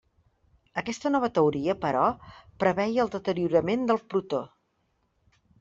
Aquesta nova teoria, però, preveia el deteriorament del protó.